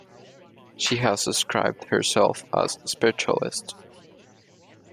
She has described herself as spiritualist.